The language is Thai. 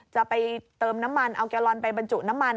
จะไปเติมน้ำมันเอาแกลลอนไปบรรจุน้ำมัน